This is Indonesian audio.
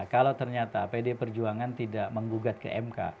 kalau ternyata pd perjuangan tidak menggugat ke mk